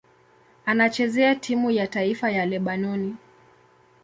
Anachezea timu ya taifa ya Lebanoni.